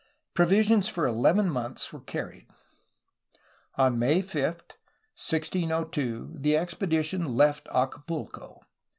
Provisions for eleven months were carried. On May 5, 1602, the expedition left Acapulco.